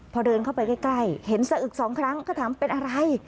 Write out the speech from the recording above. พอเดินเข้าไปใกล้เห็นสะอึกสองครั้งก็ถามเป็นอะไร